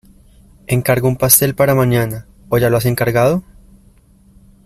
Encargo un pastel para mañana ¿o ya lo has encargado?